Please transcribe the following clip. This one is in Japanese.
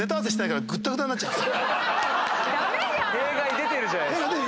弊害出てるじゃないですか。